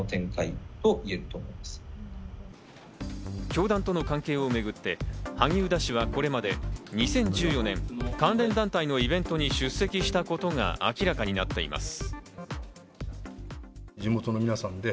教団との関係をめぐって萩生田氏はこれまで、２０１４年、関連団体のイベントに出席したことが明らかになっています。